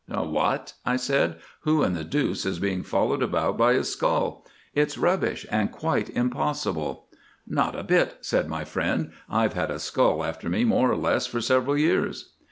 "Eh, what," I said, "who the deuce is being followed about by a skull? It's rubbish, and quite impossible." "Not a bit," said my friend, "I've had a skull after me more or less for several years."